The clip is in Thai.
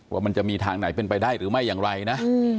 ว่ามันจะมีทางไหนเป็นไปได้หรือไม่อย่างไรนะ